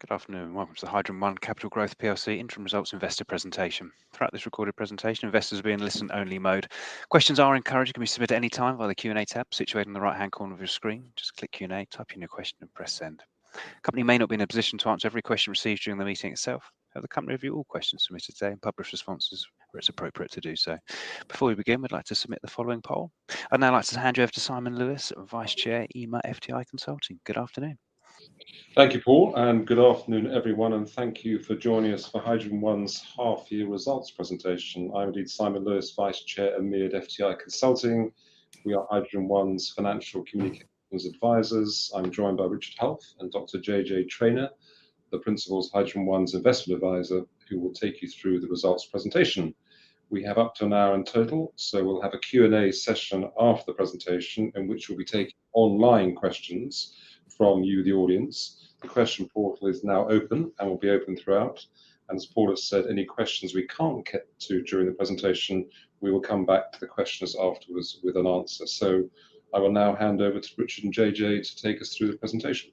Good afternoon and welcome to the HydrogenOne Capital Growth plc interim results investor presentation. Throughout this recorded presentation, investors will be in listen only mode. Questions are encouraged and can be submitted any time via the Q&A tab situated in the right-hand corner of your screen. Just click Q&A, type in your question and press send. The company may not be in a position to answer every question received during the meeting itself, however, the company reviews all questions submitted today and publishes responses where it's appropriate to do so. Before we begin, we'd like to submit the following poll. I'd now like to hand you over to Simon Lewis, Vice Chair, EMEA, FTI Consulting. Good afternoon. Thank you, Paul, and good afternoon everyone, and thank you for joining us for HydrogenOne's half year results presentation. I'm indeed Simon Lewis, Vice Chair, EMEA at FTI Consulting. We are HydrogenOne's financial communications advisors. I'm joined by Richard Helf and Dr. JJ Traynor, the principals of HydrogenOne's investment advisor who will take you through the results presentation. We have up to an hour in total, so we'll have a Q&A session after the presentation in which we'll be taking online questions from you, the audience. The question portal is now open and will be open throughout. As Paul has said, any questions we can't get to during the presentation, we will come back to the questioners afterwards with an answer. I will now hand over to Richard and JJ to take us through the presentation.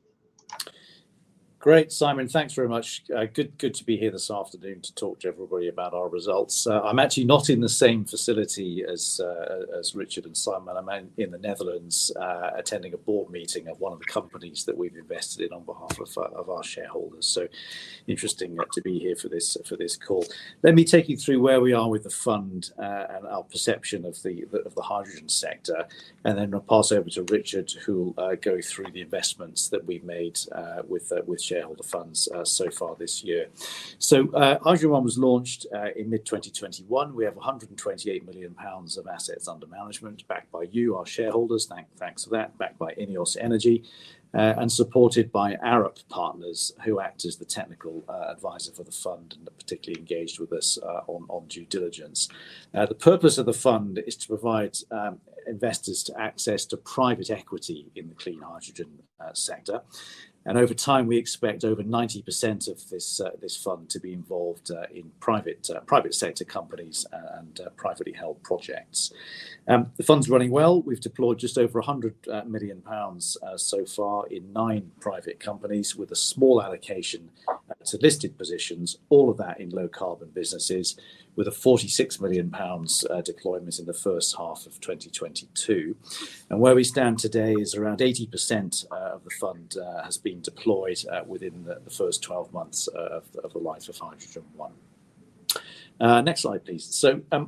Great, Simon. Thanks very much. Good to be here this afternoon to talk to everybody about our results. I'm actually not in the same facility as Richard and Simon. I'm in the Netherlands, attending a board meeting of one of the companies that we've invested in on behalf of our shareholders. Interesting to be here for this call. Let me take you through where we are with the fund, and our perception of the hydrogen sector, and then I'll pass over to Richard who will go through the investments that we've made with shareholder funds so far this year. HydrogenOne was launched in mid-2021. We have 128 million pounds of assets under management backed by you, our shareholders. Thanks for that. Backed by INEOS Energy and supported by Arup who act as the technical advisor for the fund and are particularly engaged with us on due diligence. The purpose of the fund is to provide investors access to private equity in the clean hydrogen sector. Over time, we expect over 90% of this fund to be involved in private sector companies and privately held projects. The fund's running well. We've deployed just over 100 million pounds so far in nine private companies with a small allocation to listed positions, all of that in low carbon businesses with a 46 million pounds deployment in the first half of 2022. Where we stand today is around 80% of the fund has been deployed within the first 12 months of the life of HydrogenOne. Next slide, please.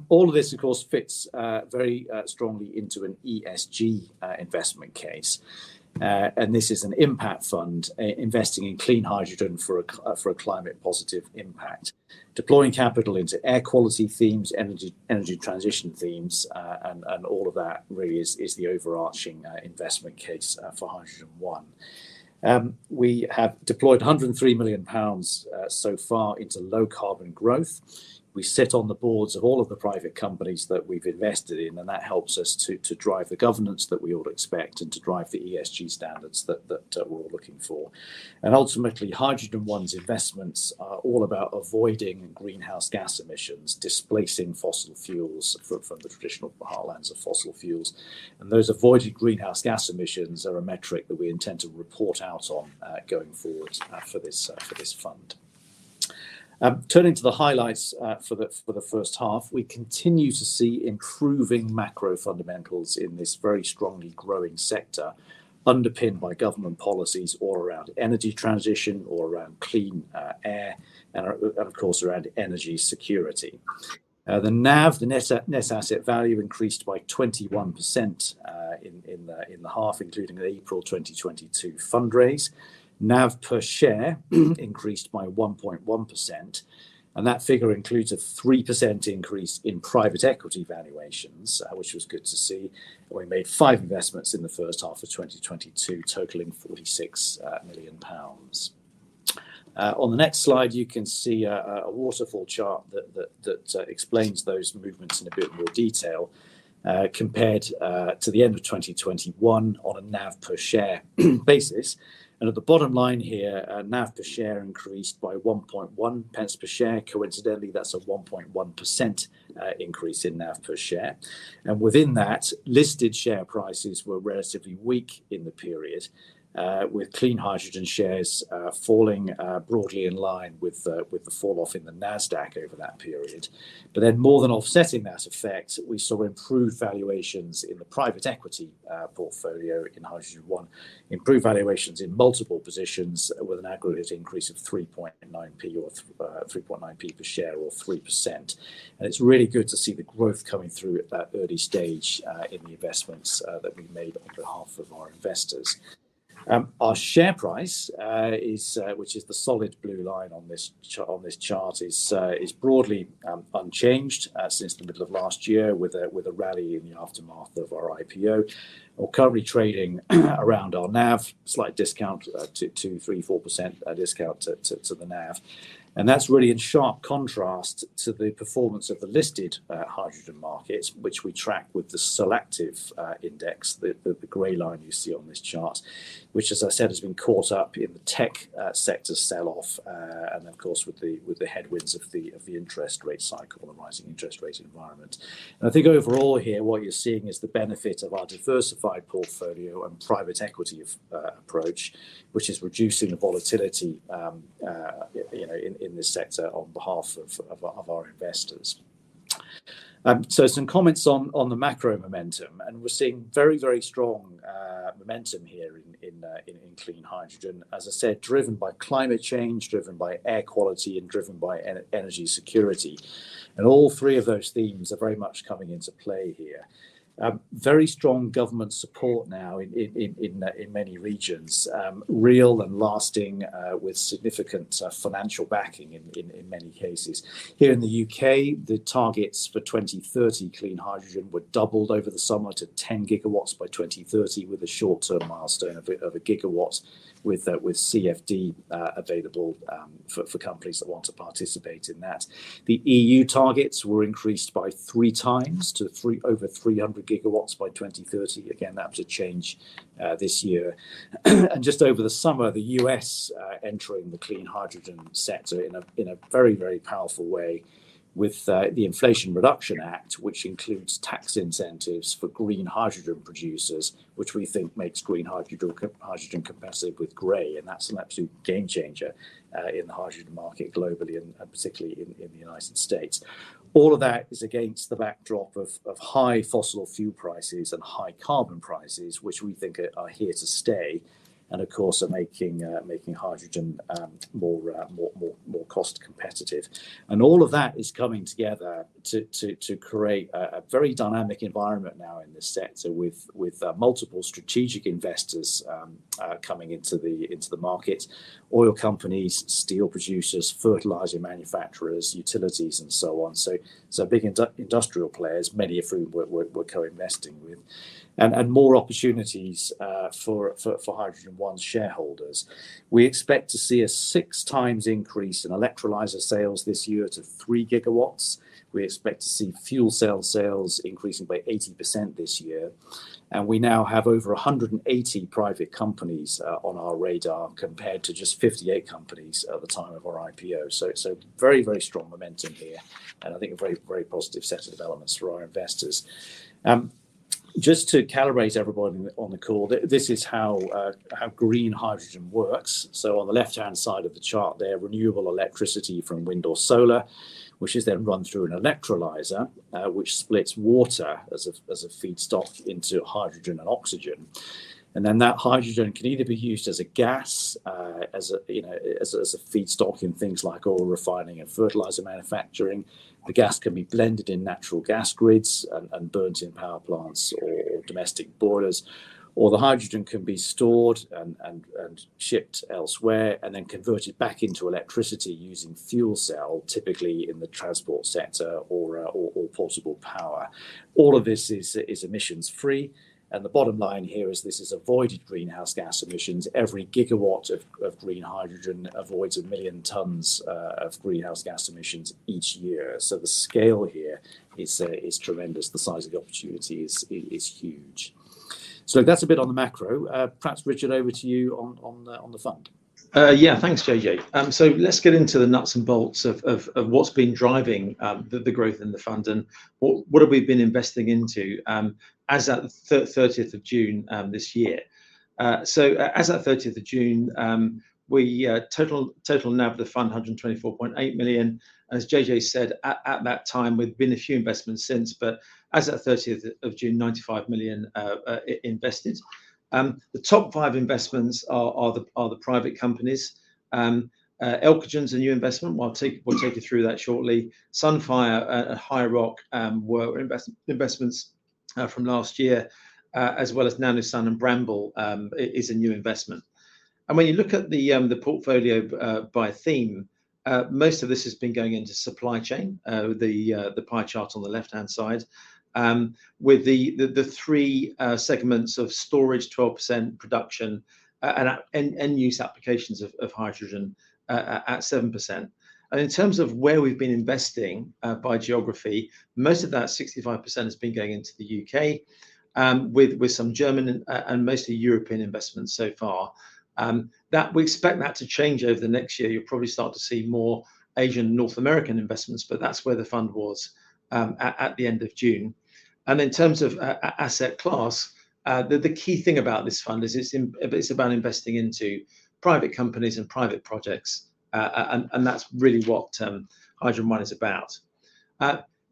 All of this of course fits very strongly into an ESG investment case. This is an impact fund investing in clean hydrogen for a climate positive impact. Deploying capital into air quality themes, energy transition themes, and all of that really is the overarching investment case for HydrogenOne. We have deployed 103 million pounds so far into low carbon growth. We sit on the boards of all of the private companies that we've invested in, and that helps us to drive the governance that we all expect and to drive the ESG standards that we're all looking for. Ultimately, HydrogenOne's investments are all about avoiding greenhouse gas emissions, displacing fossil fuels from the traditional heartlands of fossil fuels. Those avoided greenhouse gas emissions are a metric that we intend to report out on, going forward, for this fund. Turning to the highlights, for the first half, we continue to see improving macro fundamentals in this very strongly growing sector, underpinned by government policies all around energy transition or around clean air and, of course, around energy security. The NAV, the net asset value increased by 21% in the half, including the April 2022 fundraise. NAV per share increased by 1.1%, and that figure includes a 3% increase in private equity valuations, which was good to see. We made five investments in the first half of 2022, totaling 46 million pounds. On the next slide you can see a waterfall chart that explains those movements in a bit more detail compared to the end of 2021 on a NAV per share basis. At the bottom line here, NAV per share increased by 1.1 % per share. Coincidentally, that's a 1.1% increase in NAV per share. Within that, listed share prices were relatively weak in the period, with clean hydrogen shares falling broadly in line with the fall off in the NASDAQ over that period. More than offsetting that effect, we saw improved valuations in the private equity portfolio in HydrogenOne, improved valuations in multiple positions with an aggregate increase of 3.9 per share or 3%. It's really good to see the growth coming through at that early stage in the investments that we made on behalf of our investors. Our share price, which is the solid blue line on this chart, is broadly unchanged since the middle of last year with a rally in the aftermath of our IPO. We're currently trading around our NAV, slight 2%-4% discount to the NAV. That's really in sharp contrast to the performance of the listed hydrogen markets, which we track with the Solactive index, the gray line you see on this chart, which as I said, has been caught up in the tech sector sell-off, and of course with the headwinds of the interest rate cycle and the rising interest rate environment. I think overall here, what you're seeing is the benefit of our diversified portfolio and private equity approach, which is reducing the volatility in this sector on behalf of our investors. Some comments on the macro momentum, and we're seeing very strong momentum here in clean hydrogen, as I said, driven by climate change, driven by air quality, and driven by energy security. All three of those themes are very much coming into play here. Very strong government support now in many regions. Real and lasting with significant financial backing in many cases. Here in the U.K., the targets for 2030 clean hydrogen were doubled over the summer to 10 gigawatts by 2030 with a short-term milestone of 1 GW with CFD available for companies that want to participate in that. The E.U. targets were increased by 3x to over 300 gigawatts by 2030. Again, that was a change this year. Just over the summer, the U.S. entering the clean hydrogen sector in a very powerful way with the Inflation Reduction Act, which includes tax incentives for green hydrogen producers, which we think makes green hydrogen competitive with gray, and that's an absolute game changer in the hydrogen market globally and particularly in the United States. All of that is against the backdrop of high fossil fuel prices and high carbon prices, which we think are here to stay and, of course, are making hydrogen more cost competitive. All of that is coming together to create a very dynamic environment now in this sector with multiple strategic investors coming into the market. Oil companies, steel producers, fertilizer manufacturers, utilities and so on. Big industrial players, many of whom we're co-investing with. More opportunities for HydrogenOne shareholders. We expect to see a 6x increase in electrolyzer sales this year to 3 GW. We expect to see fuel cell sales increasing by 80% this year. We now have over 180 private companies on our radar compared to just 58 companies at the time of our IPO. Very strong momentum here, and I think a very positive set of developments for our investors. Just to calibrate everybody on the call, this is how green hydrogen works. On the left-hand side of the chart there, renewable electricity from wind or solar, which is then run through an electrolyzer, which splits water as a feedstock into hydrogen and oxygen. Then that hydrogen can either be used as a gas, you know, as a feedstock in things like oil refining and fertilizer manufacturing. The gas can be blended in natural gas grids and burned in power plants or domestic boilers. The hydrogen can be stored and shipped elsewhere and then converted back into electricity using fuel cell, typically in the transport sector or portable power. All of this is emissions free. The bottom line here is this is avoided greenhouse gas emissions. Every gigawatt of green hydrogen avoids 1 million tons of greenhouse gas emissions each year. The scale here is tremendous. The size of the opportunity is huge. That's a bit on the macro. Perhaps, Richard, over to you on the fund. Thanks, JJ. Let's get into the nuts and bolts of what's been driving the growth in the fund and what have we been investing into as at 30th of June this year. As at 30th of June, total NAV of the fund 124.8 million. As JJ said at that time, we've made a few investments since. But as at 30th of June, 95 million invested. The top five investments are the private companies. Elcogen's a new investment. We'll take you through that shortly. Sunfire at HiiROC were investments from last year. As well as NanoSUN and Bramble is a new investment. When you look at the portfolio by theme, most of this has been going into supply chain, the pie chart on the left-hand side. With the three segments of storage, 12% production, and end use applications of hydrogen at 7%. In terms of where we've been investing by geography, most of that 65% has been going into the U.K., with some German and mostly European investments so far. That we expect that to change over the next year. You'll probably start to see more Asian, North American investments, but that's where the fund was at the end of June. In terms of asset class, the key thing about this fund is it's about investing into private companies and private projects. That's really what HydrogenOne is about.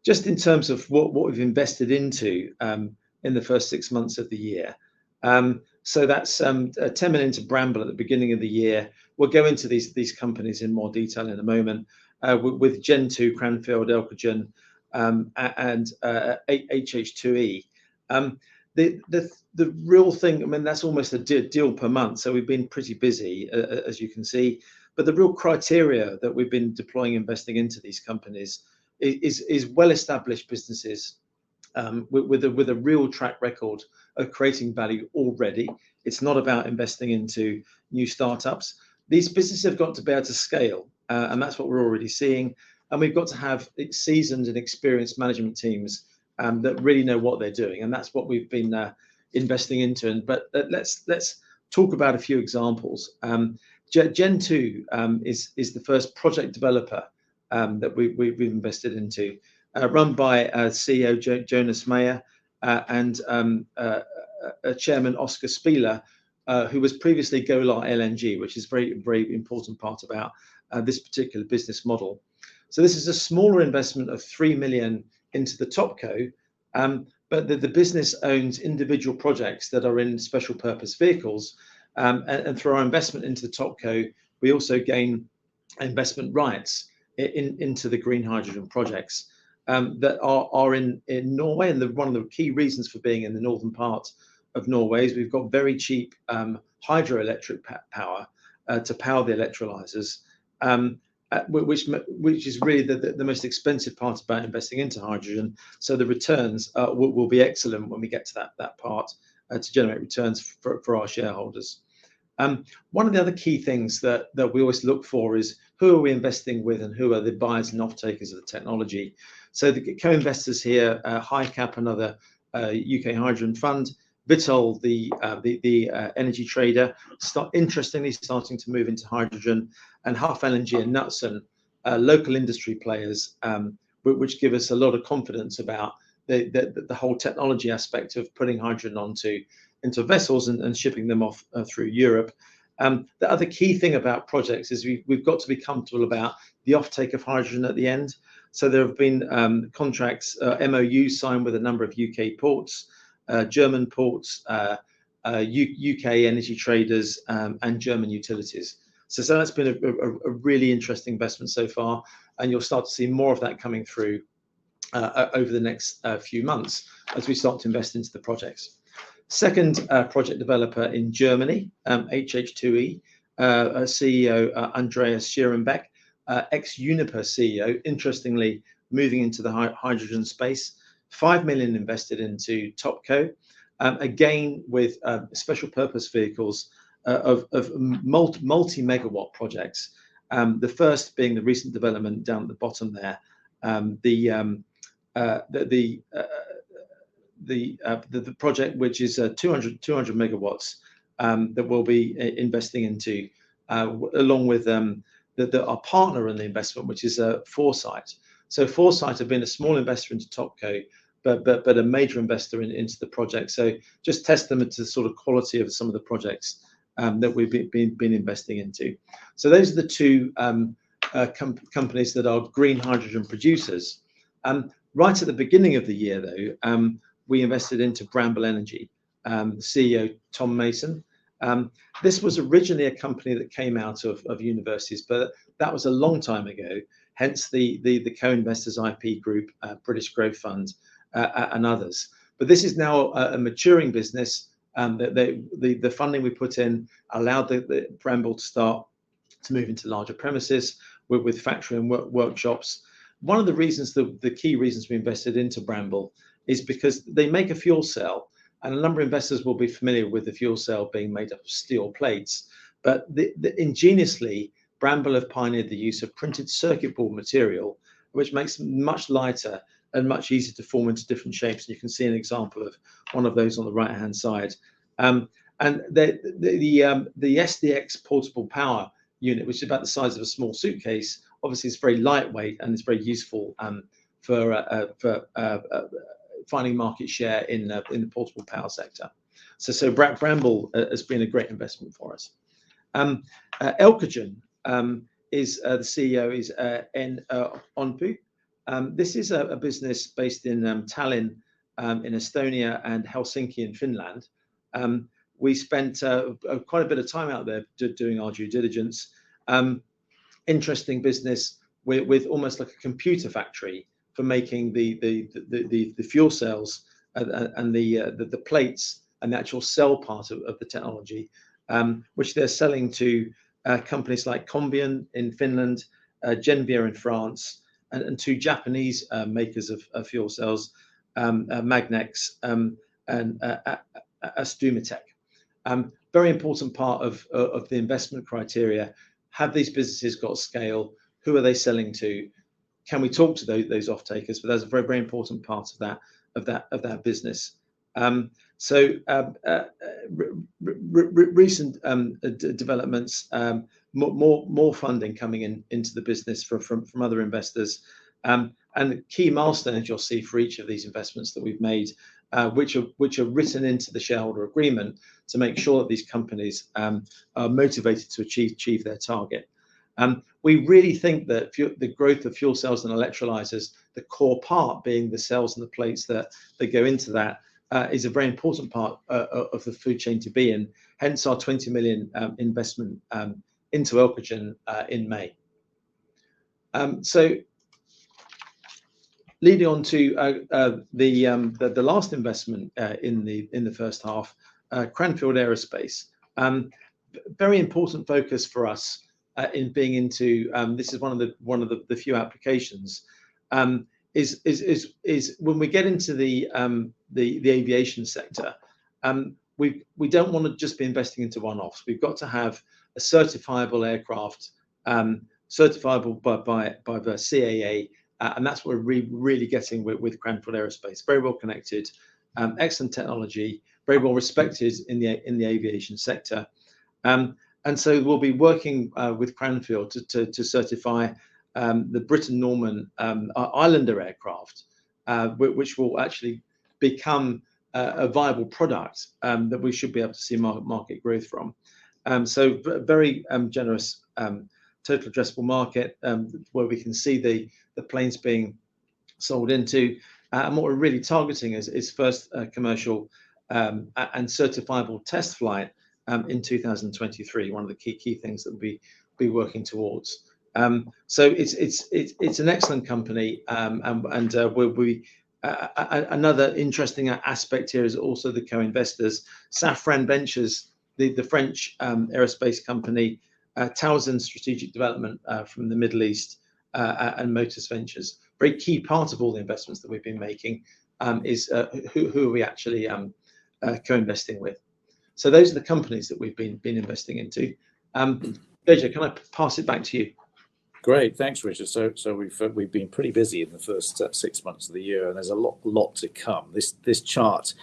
Just in terms of what we've invested into in the first six months of the year. That's 10 million to Bramble at the beginning of the year. We'll go into these companies in more detail in a moment. With Gen2, Cranfield, Elcogen, and HH2E. The real thing, I mean, that's almost a deal per month, so we've been pretty busy as you can see. The real criteria that we've been deploying investing into these companies is well-established businesses with a real track record of creating value already. It's not about investing into new startups. These businesses have got to be able to scale, and that's what we're already seeing. We've got to have seasoned and experienced management teams that really know what they're doing, and that's what we've been investing into. Let's talk about a few examples. Gen2 is the first project developer that we've invested into. Run by CEO Jonas Meyer and Chairman Oscar Spieler, who was previously Golar LNG, which is very, very important part about this particular business model. This is a smaller investment of 3 million into the topco, but the business owns individual projects that are in special purpose vehicles. And through our investment into the topco, we also gain investment rights into the green hydrogen projects that are in Norway. One of the key reasons for being in the northern part of Norway is we've got very cheap, hydroelectric power to power the electrolyzers, which is really the most expensive part about investing into hydrogen. The returns will be excellent when we get to that part to generate returns for our shareholders. One of the other key things that we always look for is who are we investing with, and who are the buyers and off-takers of the technology? The co-investors here, HYCAP, another U.K. hydrogen fund, Vitol, the energy trader, interestingly starting to move into hydrogen, and Havn Energy and Nutsen, local industry players, which give us a lot of confidence about the whole technology aspect of putting hydrogen onto into vessels and shipping them off through Europe. The other key thing about projects is we've got to be comfortable about the offtake of hydrogen at the end. There have been contracts, MOUs signed with a number of U.K. ports, German ports, U.K. energy traders, and German utilities. That's been a really interesting investment so far, and you'll start to see more of that coming through over the next few months as we start to invest into the projects. Second project developer in Germany, HH2E CEO Andreas Schierenbeck, ex-Uniper CEO, interestingly moving into the hydrogen space. 5 million invested into topco, again, with special purpose vehicles of multi megawatt projects, the first being the recent development down at the bottom there. The project, which is 200 megawatts, that we'll be investing into along with our partner in the investment, which is Foresight. Foresight have been a small investor into topco but a major investor in the project. Just testament to the sort of quality of some of the projects that we've been investing into. Those are the two companies that are green hydrogen producers. Right at the beginning of the year though, we invested into Bramble Energy, CEO Tom Mason. This was originally a company that came out of universities, but that was a long time ago, hence the co-investors IP Group, Business Growth Fund, and others. This is now a maturing business, and the funding we put in allowed the Bramble to start to move into larger premises with factory and workshops. One of the key reasons we invested into Bramble is because they make a fuel cell, and a number of investors will be familiar with the fuel cell being made up of steel plates. Bramble have pioneered the use of printed circuit board material, which makes them much lighter and much easier to form into different shapes. You can see an example of one of those on the right-hand side. The SDX portable power unit, which is about the size of a small suitcase, obviously is very lightweight, and it's very useful for finding market share in the portable power sector. Bramble has been a great investment for us. Elcogen, the CEO is Enn Õunpuu. This is a business based in Tallinn in Estonia and Helsinki in Finland. We spent quite a bit of time out there doing our due diligence. Interesting business with almost like a computer factory for making the fuel cells and the plates and the actual cell part of the technology, which they're selling to companies like Convion in Finland, Genvia in France, and two Japanese makers of fuel cells, Miura and Astomatech. Very important part of the investment criteria, have these businesses got scale? Who are they selling to? Can we talk to those offtakers? That's a very important part of that business. Recent developments, more funding coming in into the business from other investors. The key milestones you'll see for each of these investments that we've made, which are written into the shareholder agreement to make sure that these companies are motivated to achieve their target. We really think that the growth of fuel cells and electrolyzers, the core part being the cells and the plates that go into that, is a very important part of the value chain to be in, hence our 20 million investment into Elcogen in May. Leading on to the last investment in the first half, Cranfield Aerospace Solutions. Very important focus for us in venturing into this, one of the few applications is when we get into the aviation sector. We don't wanna just be investing into one-offs. We've got to have a certifiable aircraft certifiable by the CAA, and that's what we're really getting with Cranfield Aerospace Solutions. Very well connected, excellent technology, very well respected in the aviation sector. We'll be working with Cranfield Aerospace Solutions to certify the Britten-Norman Islander aircraft, which will actually become a viable product that we should be able to see market growth from. Very generous total addressable market where we can see the planes being sold into. What we're really targeting is first commercial and certifiable test flight in 2023. One of the key things that we'll be working towards. It's an excellent company. Another interesting aspect here is also the co-investors. Safran Corporate Ventures, the French aerospace company, Tawazun Strategic Development Fund from the Middle East, and Motus Ventures. Very key part of all the investments that we've been making is who are we actually co-investing with. Those are the companies that we've been investing into. JJ, can I pass it back to you? Great. Thanks, Richard. We've been pretty busy in the first six months of the year, and there's a lot to come. This chart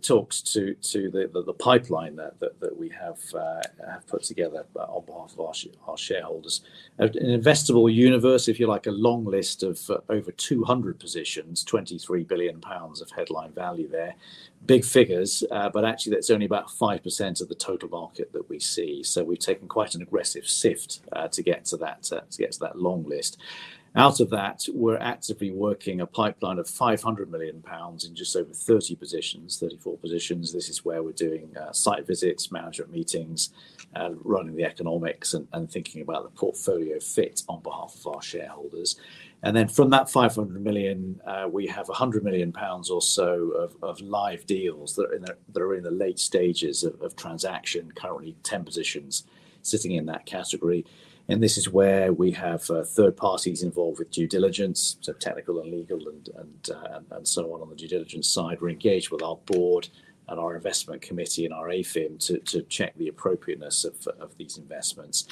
talks to the pipeline that we have put together on behalf of our shareholders. An investable universe, if you like, a long list of over 200 positions, 23 billion pounds of headline value there. Big figures, but actually that's only about 5% of the total market that we see. We've taken quite an aggressive sift to get to that long list. Out of that, we're actively working a pipeline of 500 million pounds in just over 30 positions, 34 positions. This is where we're doing site visits, management meetings, running the economics and thinking about the portfolio fit on behalf of our shareholders. Then from that 500 million, we have 100 million pounds or so of live deals that are in the late stages of transaction. Currently 10 positions sitting in that category. This is where we have third parties involved with due diligence, so technical and legal and so on the due diligence side. We're engaged with our board and our investment committee and our AIFM to check the appropriateness of these investments.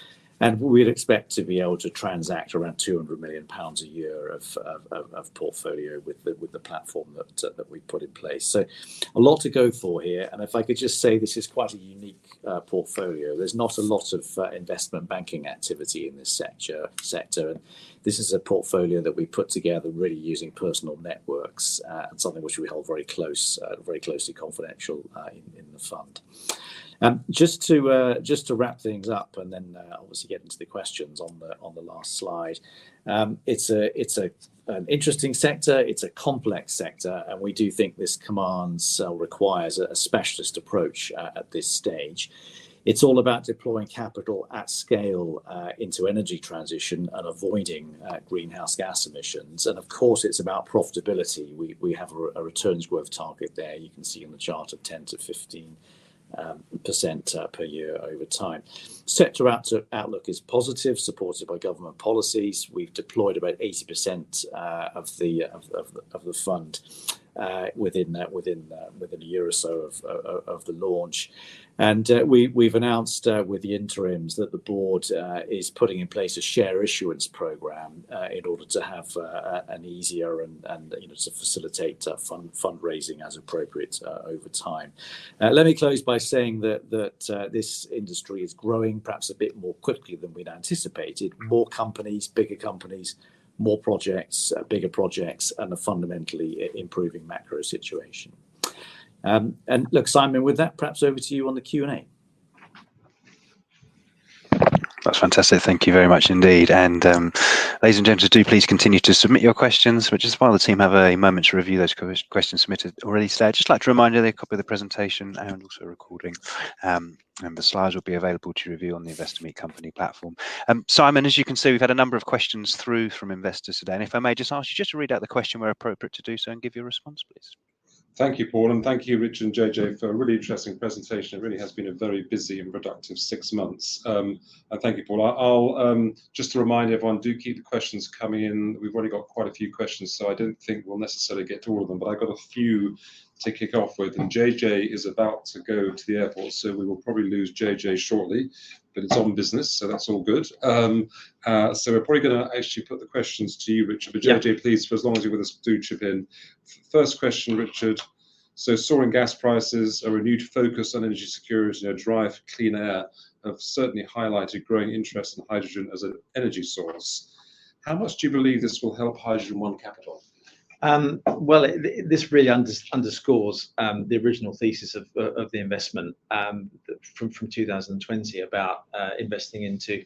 We'd expect to be able to transact around 200 million pounds a year of portfolio with the platform that we've put in place. A lot to go for here. If I could just say this is quite a unique portfolio. There's not a lot of investment banking activity in this sector, and this is a portfolio that we put together really using personal networks, and something which we hold very closely confidential in the fund. Just to wrap things up and then obviously get into the questions on the last slide. It's an interesting sector, it's a complex sector, and we do think this requires a specialist approach at this stage. It's all about deploying capital at scale into energy transition and avoiding greenhouse gas emissions. Of course it's about profitability. We have a returns target there you can see in the chart of 10%-15% per year over time. Sector outlook is positive, supported by government policies. We've deployed about 80% of the fund within a year or so of the launch. We've announced with the interims that the board is putting in place a share issuance program in order to have an easier and, you know, to facilitate fundraising as appropriate over time. Let me close by saying that this industry is growing perhaps a bit more quickly than we'd anticipated. More companies, bigger companies, more projects, bigger projects, and a fundamentally improving macro situation. Look, Simon, with that, perhaps over to you on the Q&A. That's fantastic. Thank you very much indeed. Ladies and gentlemen, do please continue to submit your questions. Which just while the team have a moment to review those questions submitted already. I'd just like to remind you that a copy of the presentation and also a recording, and the slides will be available to review on the Investor Meet Company platform. Simon, as you can see, we've had a number of questions through from investors today. If I may just ask you just to read out the question where appropriate to do so, and give your response, please. Thank you, Paul, and thank you, Rich and JJ, for a really interesting presentation. It really has been a very busy and productive six months. Thank you, Paul. Just to remind everyone, do keep the questions coming in. We've already got quite a few questions, so I don't think we'll necessarily get to all of them. I've got a few to kick off with, and JJ is about to go to the airport, so we will probably lose JJ shortly. It's on business, so that's all good. We're probably gonna actually put the questions to you, Richard. Yeah. JJ, please, for as long as you're with us, do chip in. First question, Richard. Soaring gas prices, a renewed focus on energy security and a drive for clean air have certainly highlighted growing interest in hydrogen as an energy source. How much do you believe this will help HydrogenOne Capital? This really underscores the original thesis of the investment from 2020 about investing into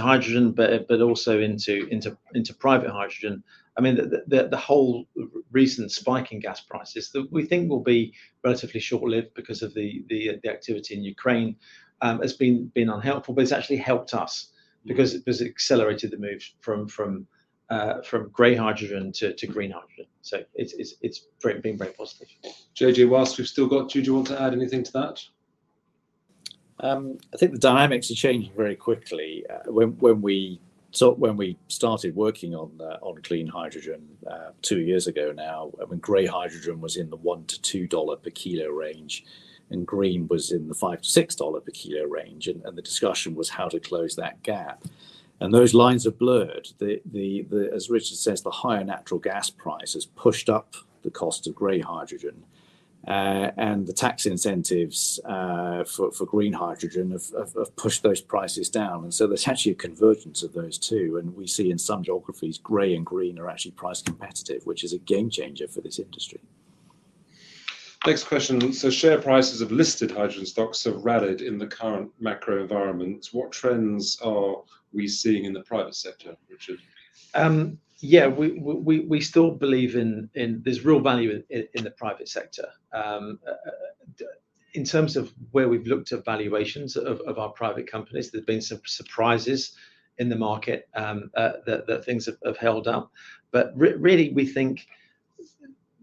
hydrogen, but also into private hydrogen. I mean, the whole recent spike in gas prices, we think, will be relatively short-lived because the activity in Ukraine has been unhelpful, but it's actually helped us because it's accelerated the move from gray hydrogen to green hydrogen. It's been very positive. JJ, whilst we've still got you, do you want to add anything to that? I think the dynamics are changing very quickly. When we started working on clean hydrogen two years ago now, I mean, gray hydrogen was in the $1-$2 per kilo range, and green was in the $5-$6 per kilo range, and the discussion was how to close that gap. Those lines have blurred. As Richard says, the higher natural gas price has pushed up the cost of gray hydrogen. The tax incentives for green hydrogen have pushed those prices down, and so there's actually a convergence of those two. We see in some geographies, gray and green are actually price competitive, which is a game changer for this industry. Next question. Share prices of listed hydrogen stocks have rallied in the current macro environment. What trends are we seeing in the private sector, Richard? We still believe that there's real value in the private sector. In terms of where we've looked at valuations of our private companies, there's been surprises in the market that things have held up. Really we think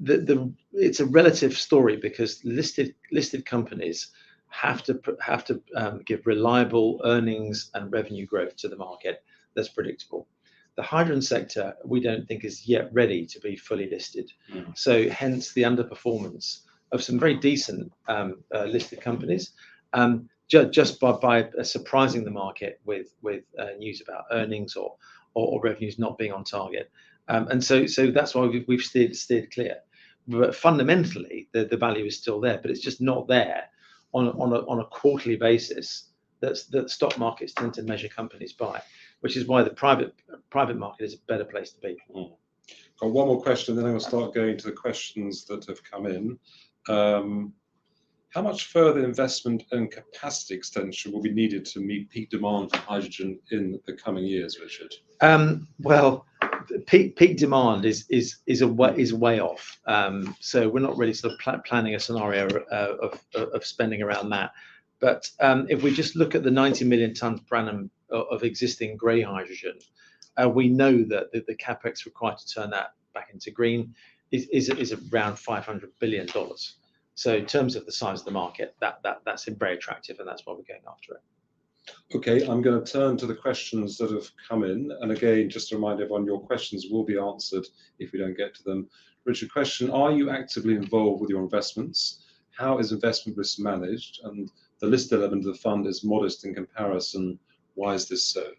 it's a relative story because listed companies have to give reliable earnings and revenue growth to the market that's predictable. The hydrogen sector we don't think is yet ready to be fully listed. Mm. Hence the underperformance of some very decent listed companies just by surprising the market with news about earnings or revenues not being on target. That's why we've steered clear. Fundamentally, the value is still there, but it's just not there on a quarterly basis that stock markets tend to measure companies by, which is why the private market is a better place to be. Got one more question, and then I'm gonna start going to the questions that have come in. How much further investment and capacity extension will be needed to meet peak demand for hydrogen in the coming years, Richard? Well, peak demand is way off. We're not really sort of planning a scenario of spending around that. If we just look at the 90 million tonnes per annum of existing gray hydrogen, we know that the CapEx required to turn that back into green is around $500 billion. In terms of the size of the market, that's very attractive and that's why we're going after it. Okay. I'm gonna turn to the questions that have come in. Again, just a reminder, everyone, your questions will be answered if we don't get to them. Richard, question: Are you actively involved with your investments? How is investment risk managed? And the listed element of the fund is modest in comparison. Why is this so?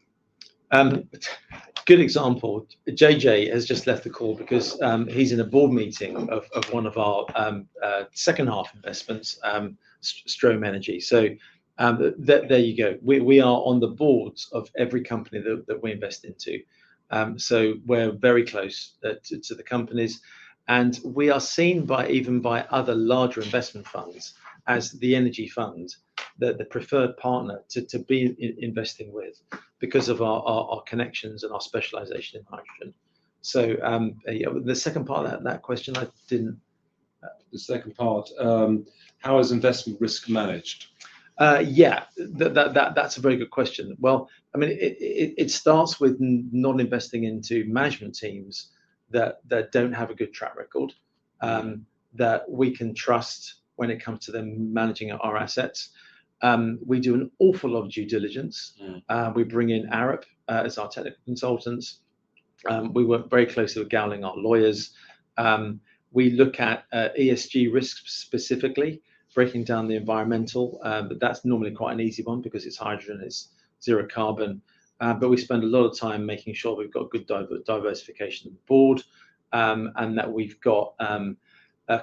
Good example. JJ has just left the call because he's in a board meeting of one of our second half investments, Strohm. There you go. We are on the boards of every company that we invest into. We're very close to the companies, and we are seen by even other larger investment funds as the energy fund, the preferred partner to be investing with because of our connections and our specialization in hydrogen. Yeah. The second part of that question I didn't- The second part, how is investment risk managed? Yeah. That's a very good question. Well, I mean, it starts with not investing into management teams that don't have a good track record- Mm that we can trust when it comes to them managing our assets. We do an awful lot of due diligence. Mm. We bring in Arup as our technical consultants. We work very closely with Gowling, our lawyers. We look at ESG risks, specifically breaking down the environmental. That's normally quite an easy one because it's hydrogen, it's zero carbon. We spend a lot of time making sure we've got good diversification board, and that we've got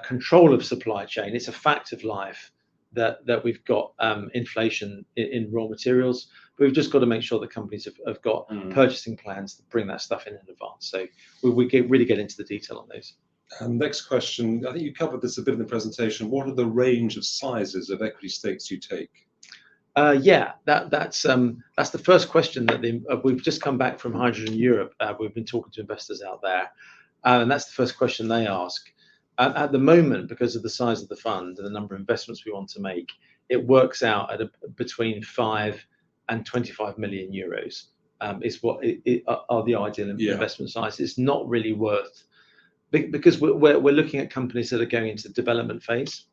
control of supply chain. It's a fact of life that we've got inflation in raw materials. We've just gotta make sure the companies have got Mm... purchasing plans to bring that stuff in advance. We get really into the detail on those. Next question. I think you covered this a bit in the presentation. What are the range of sizes of equity stakes you take? Yeah. That's the first question that the... We've just come back from Hydrogen Europe. We've been talking to investors out there, and that's the first question they ask. At the moment, because of the size of the fund and the number of investments we want to make, it works out at a between 5 million and 25 million euros is what it are the ideal. Yeah Investment size. It's not really that big because we're looking at companies that are going into the development phase.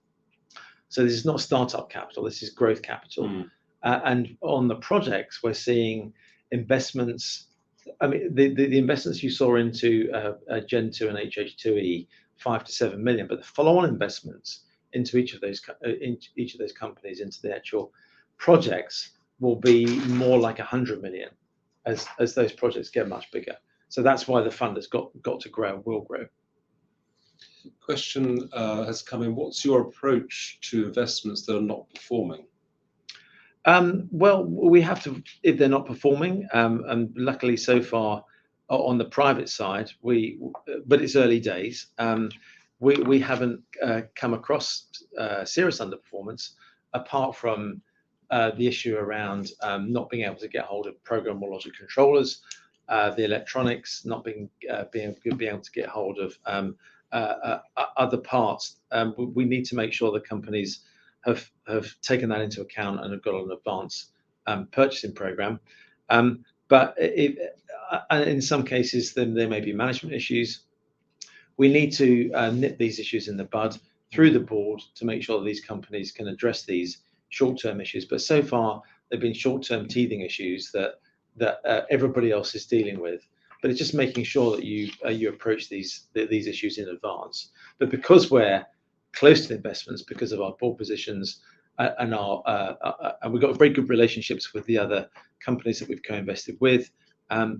This is not startup capital. This is growth capital. Mm. On the projects, we're seeing investments. I mean, the investments you saw into Gen2 and HH2E, 5-7 million, but the follow-on investments into each of those companies into the actual projects will be more like 100 million as those projects get much bigger. That's why the fund has got to grow and will grow. Question, has come in. What's your approach to investments that are not performing? Well, we have to if they're not performing, and luckily so far on the private side, but it's early days, we haven't come across serious underperformance apart from the issue around not being able to get hold of programmable logic controllers, the electronics not being able to get hold of other parts. We need to make sure the companies have taken that into account and have got an advanced purchasing program. In some cases there may be management issues. We need to nip these issues in the bud through the board to make sure these companies can address these short-term issues. So far, they've been short-term teething issues that everybody else is dealing with. It's just making sure that you approach these issues in advance. Because we're close to the investments because of our board positions and we've got very good relationships with the other companies that we've co-invested with,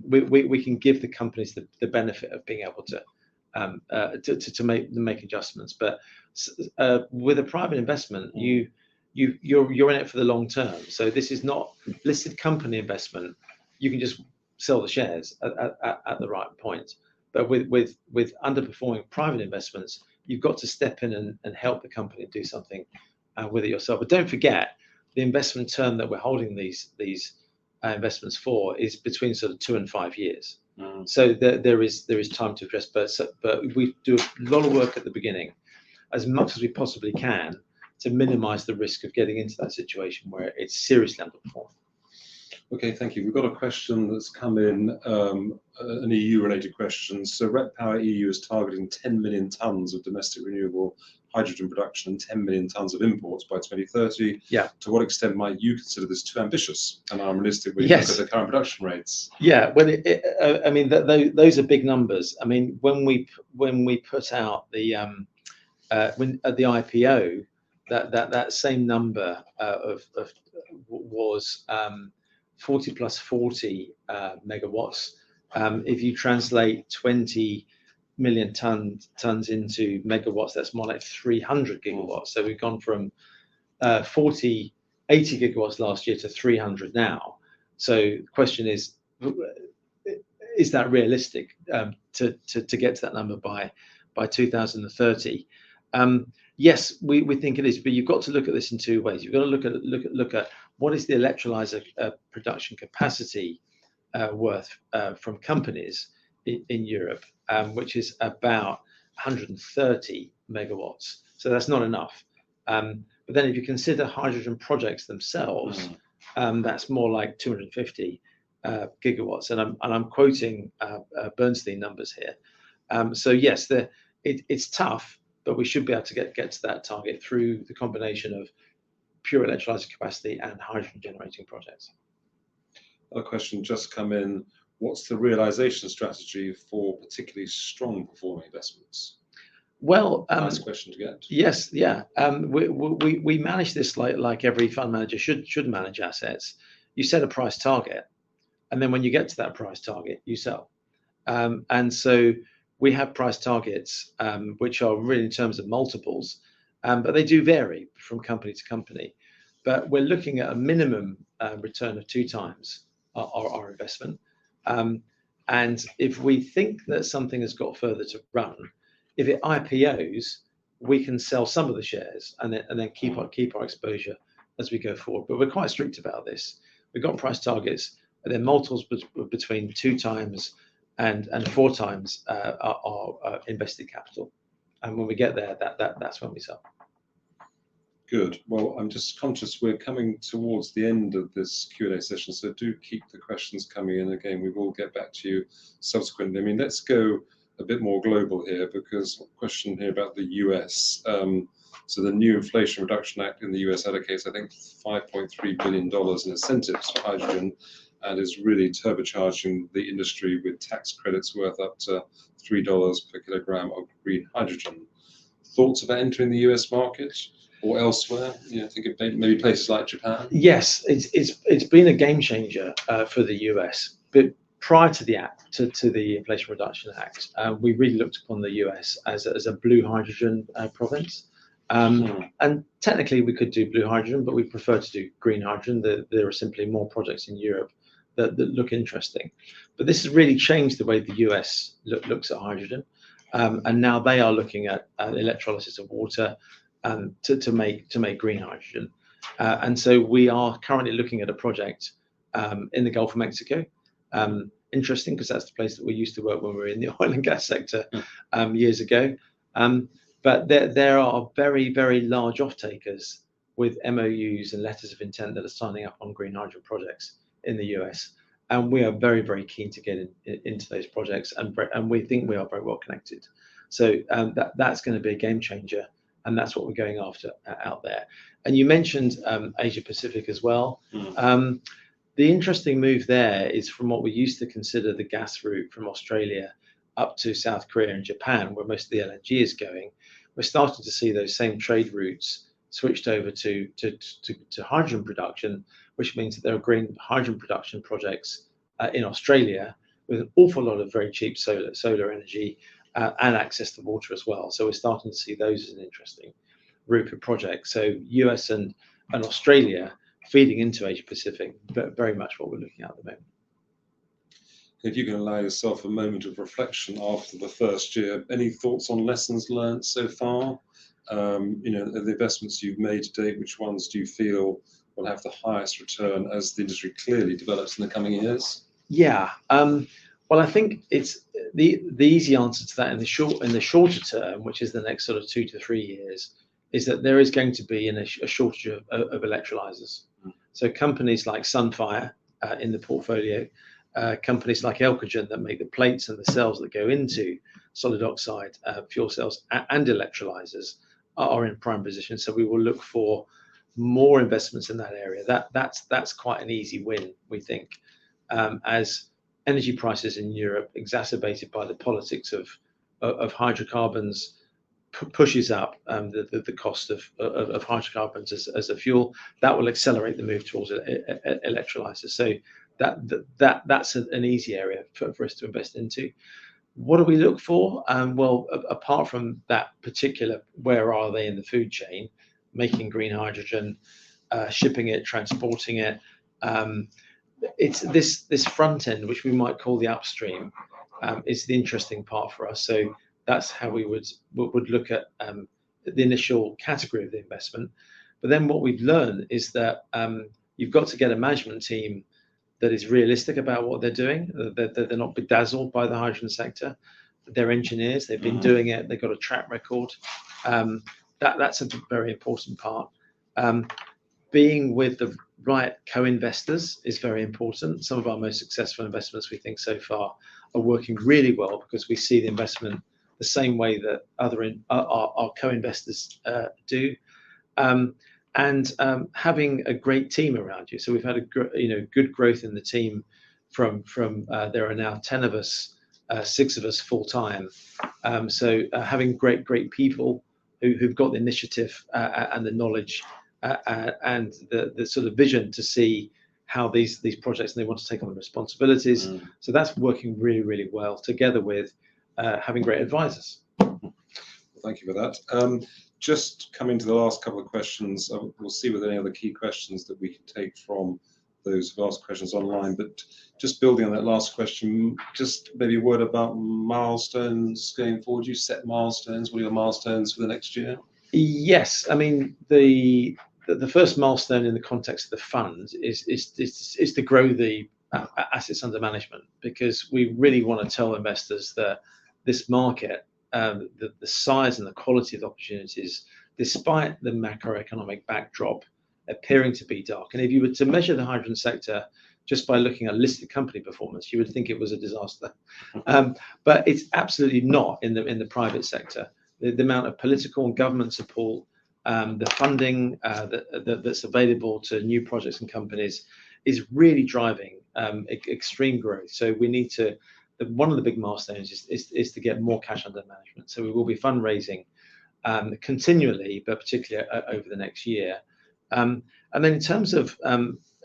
we can give the companies the benefit of being able to make adjustments. With a private investment, you're in it for the long term. This is not listed company investment, you can just sell the shares at the right point. With underperforming private investments, you've got to step in and help the company do something with it yourself. Don't forget, the investment term that we're holding these investments for is between sort of two and five years. Mm. There is time to address. We do a lot of work at the beginning, as much as we possibly can to minimize the risk of getting into that situation where it's seriously underperformed. Okay, thank you. We've got a question that's come in, an EU related question. REPowerEU is targeting 10 million tons of domestic renewable hydrogen production and 10 million tons of imports by 2030. Yeah. To what extent might you consider this too ambitious and unrealistic? Yes When you consider current production rates? Yeah. When it I mean, those are big numbers. I mean, when we put out the when at the IPO, that same number was 40 + 40 MW. If you translate 20 million tons into megawatts, that's more like 300 GW. We've gone from 40-80 GW last year to 300 now. The question is that realistic to get to that number by 2030? Yes, we think it is, but you've got to look at this in two ways. You've got to look at what is the electrolyzer production capacity worth from companies in Europe, which is about 130 MW. That's not enough. If you consider hydrogen projects themselves. Mm That's more like 250 gigawatts, and I'm quoting Bernstein numbers here. Yes, it's tough, but we should be able to get to that target through the combination of pure electrolyzer capacity and hydrogen generating projects. Another question just come in, what's the realization strategy for particularly strong performing investments? Well. Nice question to get. Yes. Yeah. We manage this like every fund manager should manage assets. You set a price target, and then when you get to that price target, you sell. We have price targets, which are really in terms of multiples, but they do vary from company to company. We're looking at a minimum return of 2x our investment. If we think that something has got further to run, if it IPOs, we can sell some of the shares and then keep our exposure as we go forward. We're quite strict about this. We've got price targets. They're multiples between 2x and 4x our invested capital. When we get there, that's when we sell. Good. Well, I'm just conscious we're coming towards the end of this Q&A session, so do keep the questions coming in. Again, we will get back to you subsequently. I mean, let's go a bit more global here because a question here about the U.S. So the new Inflation Reduction Act in the U.S. allocates, I think, $5.3 billion in incentives for hydrogen and is really turbocharging the industry with tax credits worth up to $3 per kilogram of green hydrogen. Thoughts about entering the U.S. market or elsewhere? You know, think of maybe places like Japan. Yes. It's been a game changer for the U.S. Prior to the Inflation Reduction Act, we really looked upon the U.S. as a blue hydrogen province. Mm. Technically, we could do blue hydrogen, but we prefer to do green hydrogen. There are simply more projects in Europe that look interesting. This has really changed the way the U.S. looks at hydrogen. Now they are looking at electrolysis of water to make green hydrogen. We are currently looking at a project in the Gulf of Mexico. Interesting 'cause that's the place that we used to work when we were in the oil and gas sector years ago. There are very large off-takers with MOUs and letters of intent that are signing up on green hydrogen projects in the U.S., and we are very keen to get into those projects and we think we are very well connected. That's gonna be a game changer, and that's what we're going after out there. You mentioned Asia-Pacific as well. Mm. The interesting move there is from what we used to consider the gas route from Australia up to South Korea and Japan, where most of the LNG is going. We're starting to see those same trade routes switched over to hydrogen production, which means that there are green hydrogen production projects in Australia with an awful lot of very cheap solar energy and access to water as well. We're starting to see those as an interesting route for projects. U.S. and Australia feeding into Asia-Pacific very much what we're looking at at the moment. If you can allow yourself a moment of reflection after the first year, any thoughts on lessons learned so far? You know, of the investments you've made to date, which ones do you feel will have the highest return as the industry clearly develops in the coming years? Yeah. Well, I think it's the easy answer to that in the shorter term, which is the next sort of 2-3 years, is that there is going to be a shortage of electrolyzers. Mm. Companies like Sunfire in the portfolio, companies like Elcogen that make the plates and the cells that go into solid oxide fuel cells and electrolyzers are in prime position. We will look for more investments in that area. That's quite an easy win, we think. As energy prices in Europe exacerbated by the politics of hydrocarbons pushes up the cost of hydrocarbons as a fuel, that will accelerate the move towards electrolyzers. That's an easy area for us to invest into. What do we look for? Apart from that particular where are they in the food chain, making green hydrogen, shipping it, transporting it's this front end, which we might call the upstream, is the interesting part for us. That's how we would look at the initial category of the investment. What we've learned is that you've got to get a management team that is realistic about what they're doing, that they're not bedazzled by the hydrogen sector. They're engineers. They've been doing it. They've got a track record. That's a very important part. Being with the right co-investors is very important. Some of our most successful investments we think so far are working really well because we see the investment the same way that our co-investors do. Having a great team around you. We've had good growth in the team from there are now 10 of us, six of us full time. Having great people who've got the initiative and the knowledge and the sort of vision to see how these projects, and they want to take on the responsibilities. Mm. That's working really, really well together with having great advisors. Thank you for that. Just coming to the last couple of questions, we'll see whether any other key questions that we can take from those last questions online. Just building on that last question, just maybe a word about milestones going forward. Do you set milestones? What are your milestones for the next year? Yes. I mean, the first milestone in the context of the fund is to grow the assets under management because we really wanna tell investors that this market, the size and the quality of the opportunities, despite the macroeconomic backdrop appearing to be dark, and if you were to measure the hydrogen sector just by looking at listed company performance, you would think it was a disaster. But it's absolutely not in the private sector. The amount of political and government support, the funding, that's available to new projects and companies is really driving extreme growth. One of the big milestones is to get more cash under management. So we will be fundraising continually, but particularly over the next year. In terms of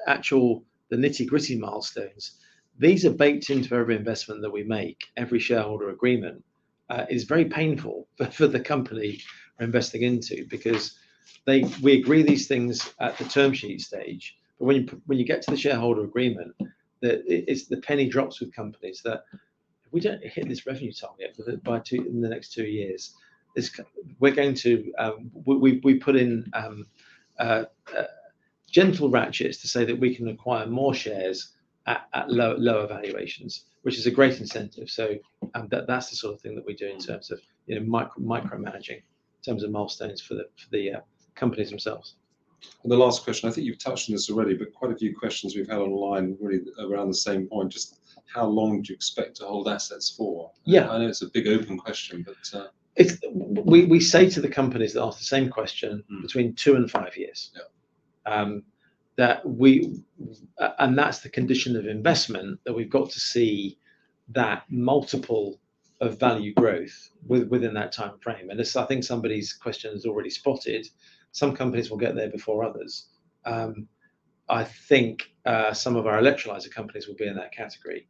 actual the nitty-gritty milestones, these are baked into every investment that we make. Every shareholder agreement is very painful for the company we're investing into because we agree these things at the term sheet stage, but when you get to the shareholder agreement, it's the penny drops with companies that if we don't hit this revenue target by two in the next two years, we're going to put in gentle ratchets to say that we can acquire more shares at lower valuations, which is a great incentive. That's the sort of thing that we do in terms of, you know, micromanaging in terms of milestones for the companies themselves. The last question, I think you've touched on this already, but quite a few questions we've had online really around the same point. Just how long do you expect to hold assets for? Yeah. I know it's a big open question, but. We say to the companies that ask the same question. Mm Between 2 and 5 years. Yeah. That's the condition of investment that we've got to see that multiple of value growth within that timeframe. As I think somebody's question has already spotted, some companies will get there before others. I think some of our electrolyzer companies will be in that category.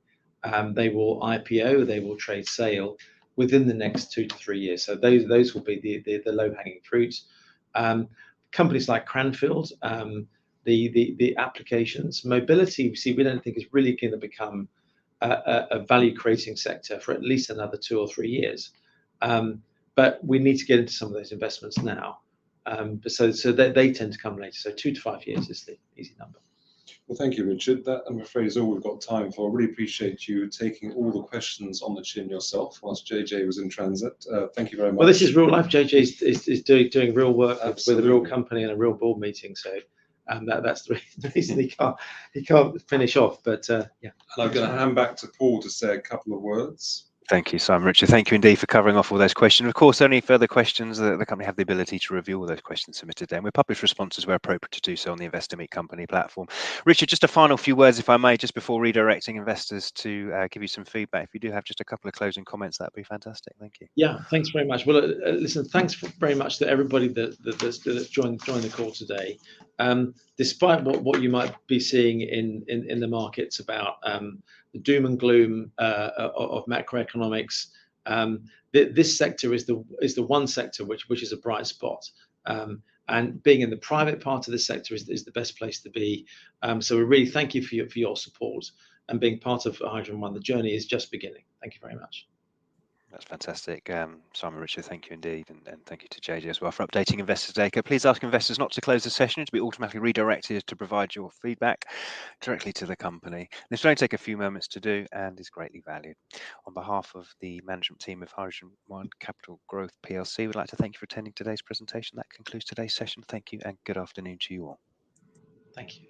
They will IPO, they will trade sale within the next 2-3 years. Those will be the low-hanging fruit. Companies like Cranfield, the applications. Mobility, you see, we don't think is really gonna become a value-creating sector for at least another 2-3 years. We need to get into some of those investments now. They tend to come later. 2-5 years is the easy number. Well, thank you, Richard. That I'm afraid is all we've got time for. I really appreciate you taking all the questions on the chin yourself while JJ was in transit. Thank you very much. Well, this is real life. JJ is doing real work. Absolutely With a real company in a real board meeting. That's the reason he can't finish off. Yeah. I'm gonna hand back to Paul to say a couple of words. Thank you, Simon. Richard, thank you indeed for covering off all those questions. Of course, any further questions, the company have the ability to review all those questions submitted then. We'll publish responses where appropriate to do so on the Investor Meet Company platform. Richard, just a final few words, if I may, just before redirecting investors to give you some feedback. If you do have just a couple of closing comments, that'd be fantastic. Thank you. Yeah. Thanks very much. Well, listen, thanks very much to everybody that's joined the call today. Despite what you might be seeing in the markets about the doom and gloom of macroeconomics, this sector is the one sector which is a bright spot. Being in the private part of this sector is the best place to be. We really thank you for your support and being part of HydrogenOne. The journey is just beginning. Thank you very much. That's fantastic. Simon, Richard, thank you indeed, and thank you to JJ as well for updating investors today. Could I please ask investors not to close the session? You'll be automatically redirected to provide your feedback directly to the company. This will only take a few moments to do and is greatly valued. On behalf of the management team of HydrogenOne Capital Growth plc, we'd like to thank you for attending today's presentation. That concludes today's session. Thank you and good afternoon to you all. Thank you.